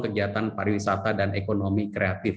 kegiatan pariwisata dan ekonomi kreatif